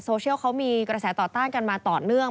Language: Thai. โซเชียลเขามีกระแสต่อต้านกันมาต่อเนื่อง